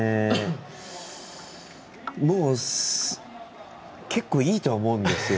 もう、結構いいとは思うんですよ。